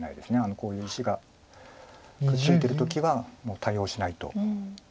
こういう石がくっついてる時はもう対応しないといけないです。